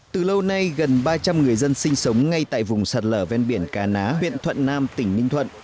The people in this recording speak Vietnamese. từ lâu nay gần ba trăm linh người dân sinh sống ngay tại vùng sạt lở ven biển cà ná huyện thuận nam tỉnh ninh thuận